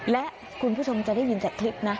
และคุณผู้ชมจะได้ยินจากคลิปนะ